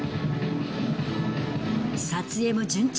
撮影も順調。